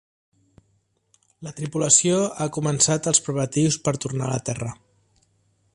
La tripulació ha començat els preparatius per tornar a la Terra.